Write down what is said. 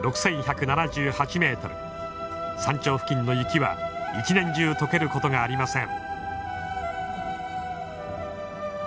山頂付近の雪は年中解けることがありません。